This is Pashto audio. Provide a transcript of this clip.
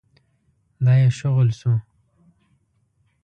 دا يې شغل شو.